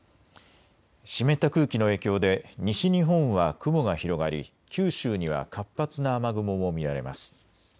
湿った空気の影響で西日本は雲が広がり九州には活発な雨雲も見られます。